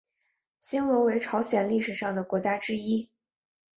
新罗为朝鲜历史上的国家之一。